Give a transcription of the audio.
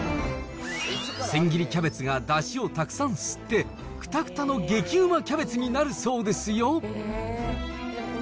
千切りキャベツがだしをたくさん吸って、くたくたの激うまキャベツになるそうですよ。